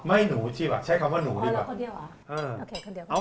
ไม่หนูใช่ไหมใช่คำว่าหนูด้วยค่ะ